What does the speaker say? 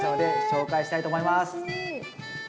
紹介したいと思います。